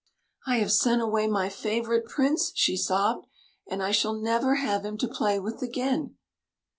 " I have sent away my favourite Prince," she sobbed, '' and I shall never have him to play with again."